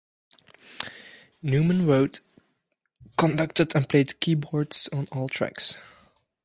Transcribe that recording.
Newman wrote, conducted and played keyboards on all tracks.